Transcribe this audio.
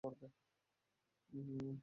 পুরো পরিবার পড়বে।